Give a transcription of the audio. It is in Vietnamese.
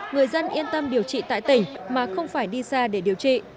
người dân yên tâm điều trị tại tỉnh mà không phải đi xa để điều trị